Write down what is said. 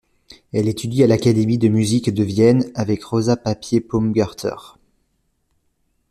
Elle étudie à l'Académie de Musique de Vienne avec Rosa Papier-Paumgarter.